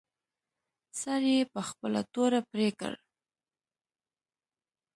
سر یې په خپله توره پرې کړ.